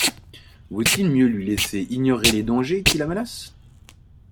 Vaut-il mieux lui laisser ignorer les dangers qui la menacent?